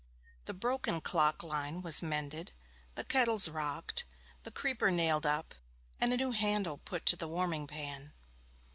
The broken clock line was mended, the kettles rocked, the creeper nailed up, and a new handle put to the warming pan.